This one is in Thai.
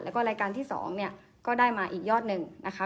แล้วก็รายการที่๒เนี่ยก็ได้มาอีกยอดหนึ่งนะคะ